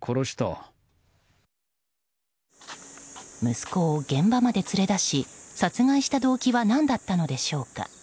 息子を現場まで連れ出し殺害した動機は何だったのでしょうか。